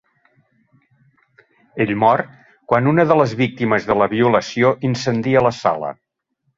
Ell mor quan una de les víctimes de la violació incendia la sala.